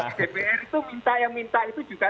nah dpr itu minta yang minta itu juga